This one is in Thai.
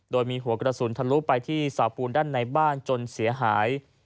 โดยมีหัวกระสุนทะลุไปที่สาปูนด้านในบ้านจนเสียหาย